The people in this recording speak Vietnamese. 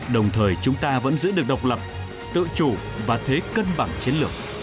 đồng thời chúng ta vẫn giữ được độc lập tự chủ và thế cân bằng chiến lược